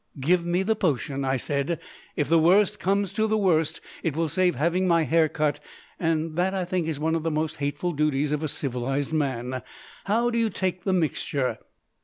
"Give me the potion," I said. "If the worst comes to the worst it will save having my hair cut, and that I think is one of the most hateful duties of a civilised man. How do you take the mixture?"